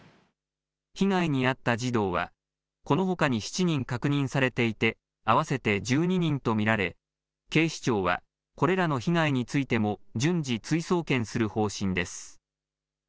被害に遭った児童はこのほかに７人確認されていて合わせて１２人と見られ警視庁はこれらの被害についても順次、追送検する方針です。